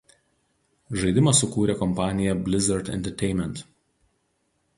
Žaidimą sukūrė kompanija „Blizzard Entertainment“.